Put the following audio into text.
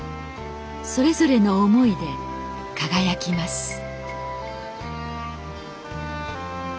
それぞれの思いで輝きます